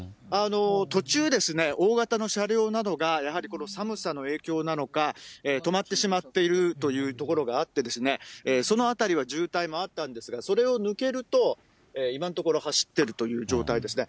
途中、大型の車両などが、やはりこの寒さの影響なのか、止まってしまっているという所があって、その辺りは渋滞もあったんですが、それを抜けると、今のところ走っているという状態ですね。